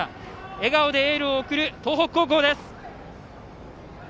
笑顔でエールを送る東北高校です。